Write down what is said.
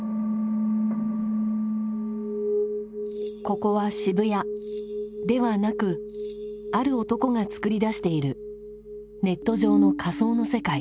ここは渋谷ではなくある男が作り出しているネット上の仮想の世界。